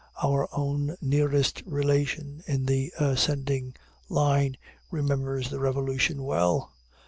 Our own nearest relation in the ascending line remembers the Revolution well.